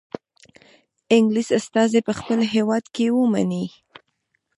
انګلیس استازی په خپل هیواد کې ومنئ.